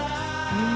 うん。